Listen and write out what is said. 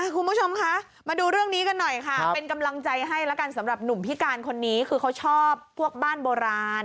คุณผู้ชมคะมาดูเรื่องนี้กันหน่อยค่ะเป็นกำลังใจให้แล้วกันสำหรับหนุ่มพิการคนนี้คือเขาชอบพวกบ้านโบราณ